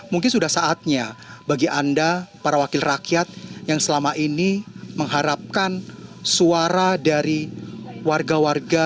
mungkin sudah saatnya bagi anda para wakil rakyat yang selama ini mengharapkan suara dari warga warga